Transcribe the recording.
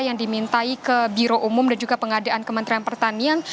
yang dimintai ke biro umum dan juga pengadaan kementerian pertanian